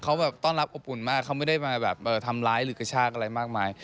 เขาแบบต้อนรับอบอุ่นมากเขาไม่ได้มาแบบทำร้ายหรือกระชากอะไรมากมาย